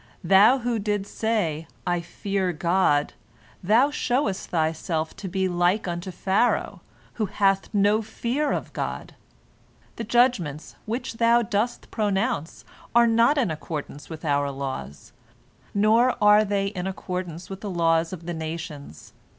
Thou who didst say, 'I fear God,' thou showest thyself to be like unto Pharaoh, who hath no fear of God. The judgments which thou dost pronounce are not in accordance with our laws, nor are they in accordance with the laws of the nations.